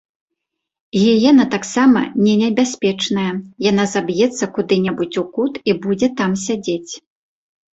Гіена таксама не небяспечная, яна заб'ецца куды-небудзь у кут і будзе там сядзець.